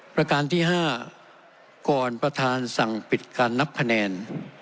ประการที่๕ก่อนประธานสั่งปิดการนับคะแนน